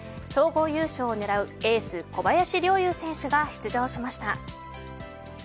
総合優勝を狙うエース小林陵侑選手が出場しました。